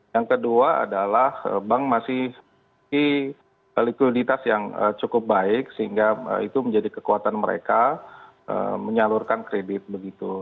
yang kedua adalah bank masih memiliki likuiditas yang cukup baik sehingga itu menjadi kekuatan mereka menyalurkan kredit begitu